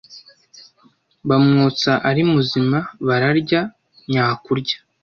bamwotsa ari muzima bararya nyakurya,